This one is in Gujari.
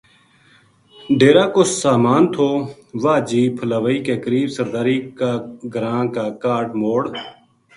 ڈیرا کو سامان تھو واہ جیپ پھلاوئی کے قریب سرداری کا گراں کا کاہڈ موڑ